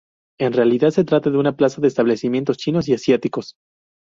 En realidad se trata de una plaza de establecimientos chinos y asiáticos.